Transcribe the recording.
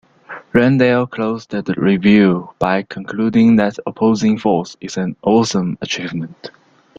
Randell closed the review by concluding that "Opposing Force" is "an awesome achievement".